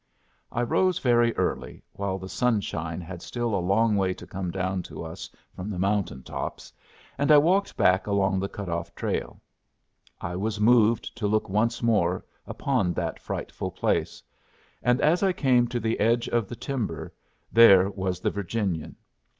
I rose very early, while the sunshine had still a long way to come down to us from the mountain tops, and I walked back along the cut off trail. I was moved to look once more upon that frightful place. And as I came to the edge of the timber, there was the Virginian.